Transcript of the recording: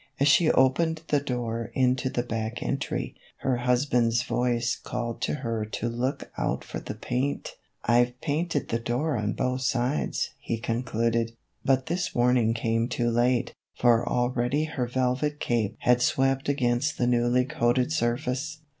As she opened the door into the back entry, her hus band's voice called to her to " Look out for paint ! I 've painted the door on both sides," he concluded ; but this warning came too late, for already her vel vet cape had swept against the newly coated surface.